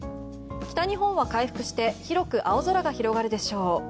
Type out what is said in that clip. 北日本は回復して広く青空が広がるでしょう。